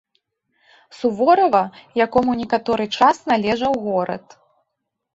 Суворава, якому некаторы час належаў горад.